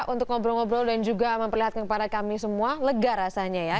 untuk ngobrol ngobrol dan juga memperlihatkan kepada kami semua lega rasanya ya